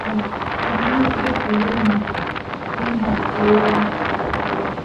Wavulana hupiga foleni na kuimba Oooooh yakwa